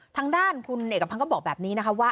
ทางด้านคุณเอกพันธ์ก็บอกแบบนี้นะคะว่า